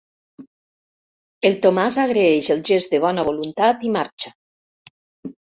El Tomàs agraeix el gest de bona voluntat i marxa.